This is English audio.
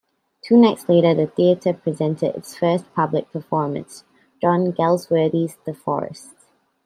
Two nights later the theater presented its first public performance, John Galsworthy's "The Forest".